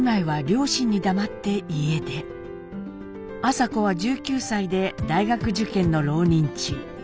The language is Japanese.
麻子は１９歳で大学受験の浪人中。